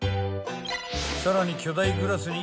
［さらに巨大グラスに］